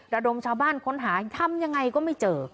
ระดมชาวบ้านค้นหาทำยังไงก็ไม่เจอ